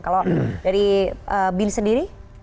kalau dari bin sendiri